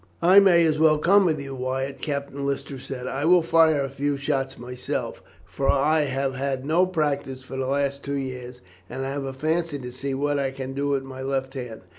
"I may as well come with you, Wyatt," Captain Lister said. "I will fire a few shots myself, for I have had no practice for the last two years, and I have a fancy to see what I can do with my left hand.